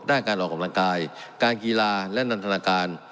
การออกกำลังกายการกีฬาและนันทนาการ